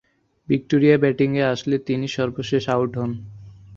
Victoria ব্যাটিংয়ে আসলে তিনি সর্বশেষে আউট হন।